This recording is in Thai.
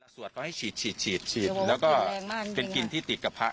สวดก็ให้ฉีดฉีดแล้วก็เป็นกลิ่นที่ติดกับพระ